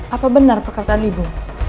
apa benar perkataan ibu